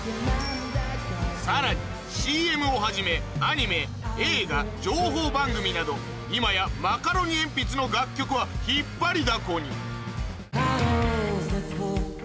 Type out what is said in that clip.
さらに ＣＭ をはじめアニメ映画情報番組など今やマカロニえんぴつの楽曲は引っ張りだこに